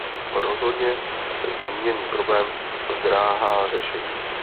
Rozhodně se zmíněný problém zdráhá řešit..